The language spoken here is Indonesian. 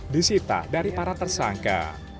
disita dari para tersangka